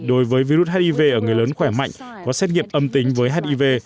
đối với virus hiv ở người lớn khỏe mạnh có xét nghiệm âm tính với hiv